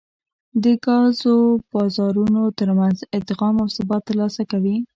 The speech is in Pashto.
د ګازو بازارونو ترمنځ ادغام او ثبات ترلاسه کوي